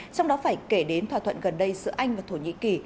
trong đó phải kể đến thỏa thuận gần đây giữa anh và thổ nhĩ kỳ